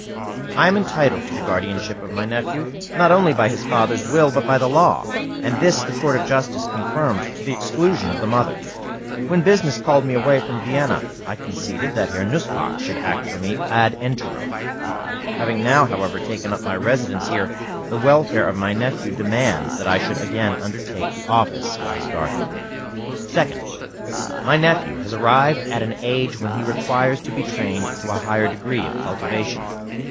I am entitled to the guardianship of my nephew, not only by his father's will, but by law, and this the Court of Justice confirmed to the exclusion of the mother. When business called me away from Vienna, I conceded that Herr Nussböck should act for me ad interim. Having now, however, taken up my residence here, the welfare of my nephew demands that I should again undertake the office of his guardian. 2d. My nephew has arrived at an age when he requires to be trained to a higher degree of cultivation.